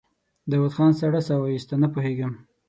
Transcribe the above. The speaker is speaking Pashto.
داوود خان سړه سا وايسته: نه پوهېږم.